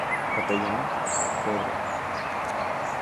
Capellán: Pbro.